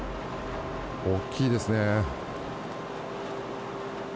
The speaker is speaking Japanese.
大きいですね。